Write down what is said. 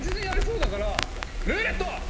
「ルーレット」！